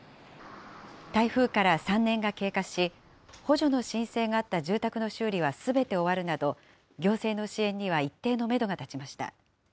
台風から３年が経過し、補助の申請があった住宅の修理はすべて終わるなど、行政の支援には一定のメドが立ちました。